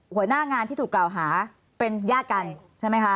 หัวหน้างานที่ถูกกล่าวหาเป็นญาติกันใช่ไหมคะ